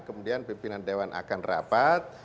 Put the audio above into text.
kemudian pimpinan dewan akan rapat